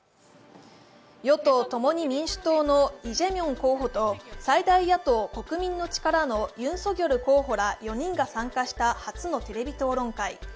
与党・共に民主党のイ・ジェミョン候補と最大野党・国民の力のユン・ソギョル候補らが参加した４人が参加した初のテレビ討論会。